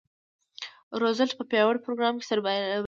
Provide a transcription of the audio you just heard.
روزولټ په پیاوړي پروګرام سره بریالی شو.